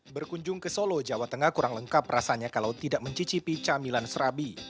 berkunjung ke solo jawa tengah kurang lengkap rasanya kalau tidak mencicipi camilan serabi